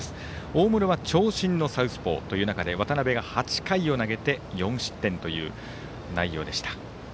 大室は長身のピッチャーという中で渡辺が投げて４失点という内容でした。